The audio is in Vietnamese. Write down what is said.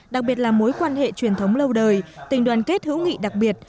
đặc biệt là mối quan hệ truyền thống lâu đời tình đoàn kết hữu nghị đặc biệt